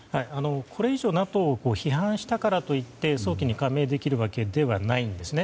これ以上ＮＡＴＯを批判したからといって早期に加盟できるわけではないんですね。